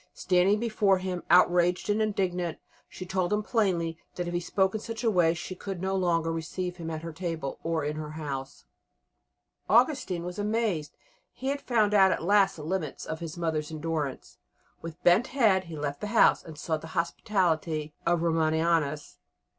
Standing before him, outraged and indignant, she told him plainly that if he spoke in such a way she could no longer receive him at her table or in her house. Augustine was amazed; he had found out at last the limits of his mother's endurance. With bent head he left the house and sought the hospitality of Romanianus.